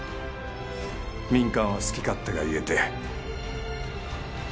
民間は好き勝手が言えて。